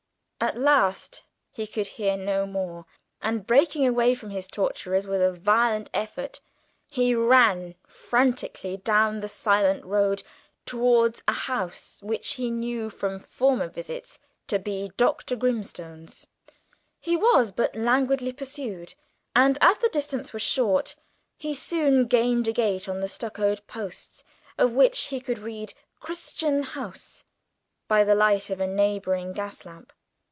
At last he could bear no more, and breaking away from his tormentors with a violent effort, he ran frantically down the silent road towards a house which he knew from former visits to be Dr. Grimstone's. He was but languidly pursued, and, as the distance was short, he soon gained a gate on the stuccoed posts of which he could read "Crichton House" by the light of a neighbouring gas lamp.